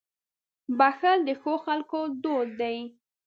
• بښل د ښو خلکو دود دی.